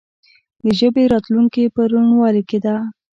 د ژبې راتلونکې په روڼوالي کې ده.